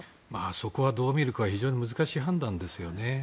そこはどうみるか非常に難しい判断ですよね。